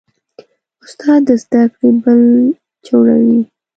استاد د زدهکړې پل جوړوي.